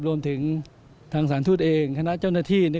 รวมถึงทางสารทูตเองคณะเจ้าหน้าที่